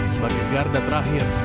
sebagai garda terakhir